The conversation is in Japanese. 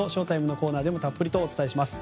ＳＨＯ‐ＴＩＭＥのコーナーでもたっぷりとお伝えします。